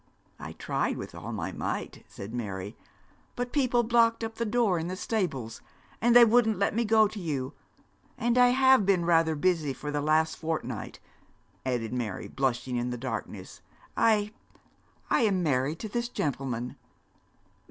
'I tried with all my might,' said Mary, 'but people blocked up the door in the stables, and they wouldn't let me go to you; and I have been rather busy for the last fortnight,' added Mary, blushing in the darkness, 'I I am married to this gentleman.'